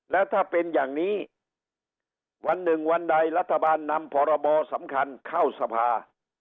แล้วถ้าเป็นอย่างนี้วันหนึ่งวันใดรัฐบาลนำพรบสำคัญเข้าสภา